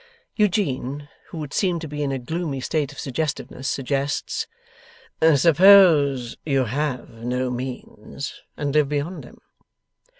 Eugene (who would seem to be in a gloomy state of suggestiveness), suggests, 'Suppose you have no means and live beyond them?